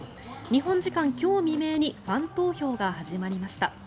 日本時間今日未明にファン投票が始まりました。